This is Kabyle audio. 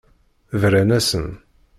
Bran-asen.